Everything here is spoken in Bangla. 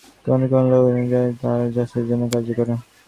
কোন কোন লোক যশ চায়, তাহারা যশের জন্য কার্য করে।